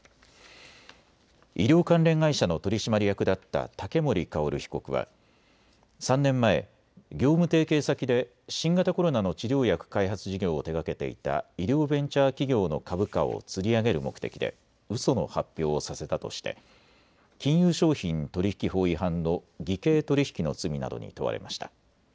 医療関連会社の取締役だった竹森郁被告は３年前、業務提携先で新型コロナの治療薬開発事業を手がけていた医療ベンチャー企業の株価をつり上げる目的でうその発表をさせたとして金融商品取引法違反の偽計取引の罪などに問われました。